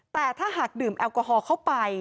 แต่ถ้าหากดื่มแอลกอฮอลเข้าไป